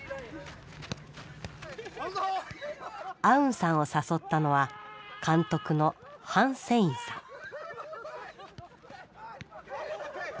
アウンさんを誘ったのは監督のハン・セインさん。